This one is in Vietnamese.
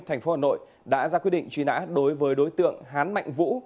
thành phố hà nội đã ra quyết định truy nã đối với đối tượng hán mạnh vũ